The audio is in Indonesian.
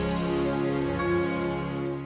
jangan lupa untuk berlangganan